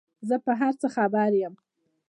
زه په هر څه خبر یم ،